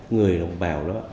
người đồng bào đó